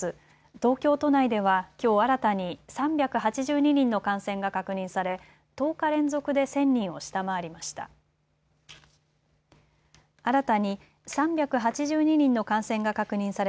東京都内ではきょう新たに３８２人の感染が確認され１０日連続で１０００人を下回りました。